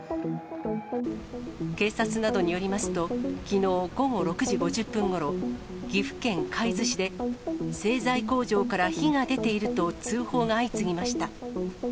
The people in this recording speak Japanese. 警察などによりますと、きのう午後６時５０分ごろ、岐阜県海津市で、製材工場から火が出ていると、通報が相次ぎました。